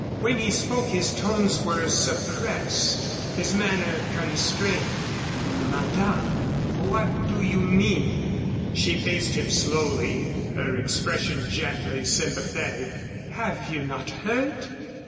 When he spoke his tones were suppressed his manner constrained. "Madame what do you mean?" She faced him slowly, her expression gently sympathetic. "Have you not heard?"